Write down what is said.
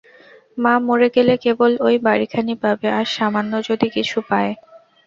মা মরে গেলে কেবল ঐ বাড়িখানি পাবে, আর সামান্য যদি কিছু পায়।